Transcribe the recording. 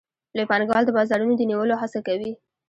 لوی پانګوال د بازارونو د نیولو هڅه کوي